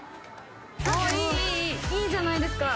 いいじゃないですか。